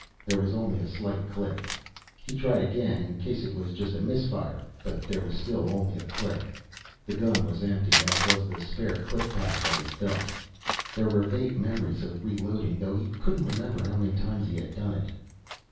There was only a slight click. He tried again, in case it was just a misfire, but there was still only the click. The gun was empty, as was the spare clip pouch at his belt. There were vague memories of reloading, though he couldn't remember how many times he had done it.